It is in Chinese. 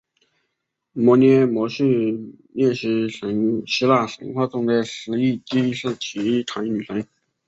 谟涅摩叙涅希腊神话中司记忆的提坦女神。